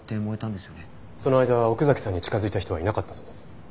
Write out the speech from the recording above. その間奥崎さんに近づいた人はいなかったそうです。